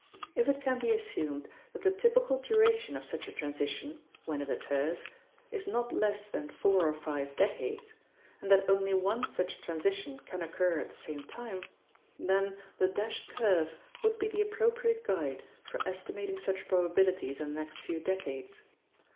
If it can be assumed that the typical duration of such a transition (when it occurs) is not less than four or five decades, and that only one such transition can occur at the same time, then the dashed curve would be the appropriate guide for estimating such probabilities in the next few decades.